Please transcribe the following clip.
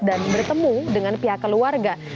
dan bertemu dengan pihak keluarga